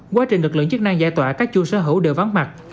quá trình lực lượng chức năng giải tỏa các chủ sở hữu đều vắng mặt